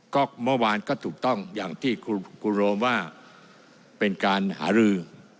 ก็เมื่อวานก็ถูกต้องอย่างที่คุณโรมว่าเป็นการหารือ